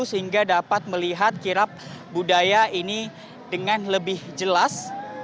sehingga dapat melihat kirap budaya ini dengan lebih jelas